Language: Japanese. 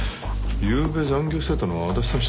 ゆうべ残業してたのは足立さん